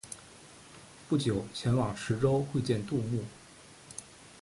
不久前往池州会见杜牧。